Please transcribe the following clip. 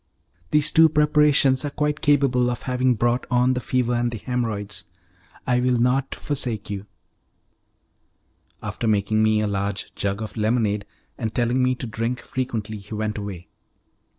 '" "Those two preparations are quite capable of having brought on the fever and the haemorrhoids. I will not forsake you" After making me a large jug of lemonade, and telling the to drink frequently, he went away.